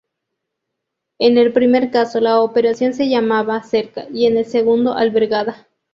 En el primer caso, la operación se llamaba "cerca" y en el segundo, "albergada".